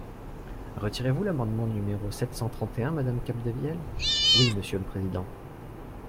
Retirez-vous l’amendement numéro sept cent trente et un, madame Capdevielle ? Oui, monsieur le président.